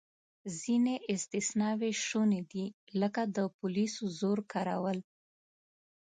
ځینې استثناوې شونې دي، لکه د پولیسو زور کارول.